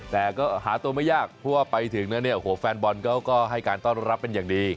แต่ก็หาตัวไม่ยากเพราะว่าไปถึงแล้วเนี่ยโอ้โหแฟนบอลเขาก็ให้การต้อนรับเป็นอย่างดี